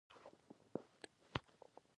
احمد ته د کابل هوا ښه ورلګېدلې، ښه ډک شوی دی.